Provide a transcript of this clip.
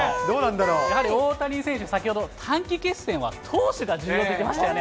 やはり大谷選手、先ほど、短期決戦は投手が重要って言ってましたよね。